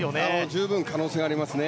十分可能性がありますね。